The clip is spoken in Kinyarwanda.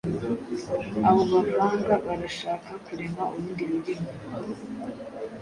Abo bavanga barashaka kurema urundi rurimi